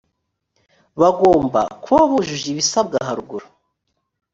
bagomba kuba bujuje ibisabwa haruguru